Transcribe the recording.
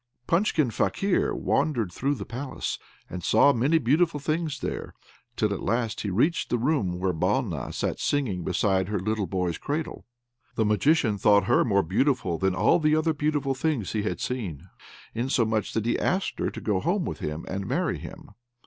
Punchkin Fakir wandered through the palace, and saw many beautiful things there, till at last he reached the room where Balna sat singing beside her little boy's cradle. The Magician thought her more beautiful than all the other beautiful things he had seen, insomuch that he asked her to go home with him and to marry him.